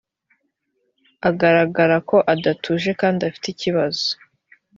agaragarako adatuje kandi afite ikibazo